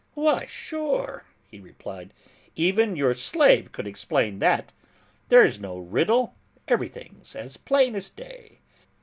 "Why, sure," he replied, "even your slave could explain that; there's no riddle, everything's as plain as day!